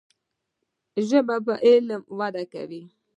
ژبه په علم وده کوي.